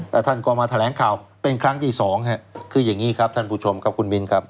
แล้วท่านก็มาแถลงข่าวเป็นครั้งที่สองฮะคืออย่างนี้ครับท่านผู้ชมครับคุณมิ้นครับ